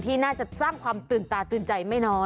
ที่น่าจะสร้างความตื่นตาตื่นใจไม่น้อย